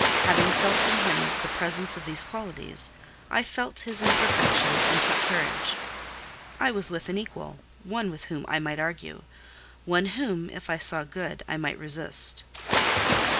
Having felt in him the presence of these qualities, I felt his imperfection and took courage. I was with an equal—one with whom I might argue—one whom, if I saw good, I might resist.